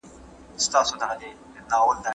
څراغ ولې په دې توره شپه کې نه لګېږي؟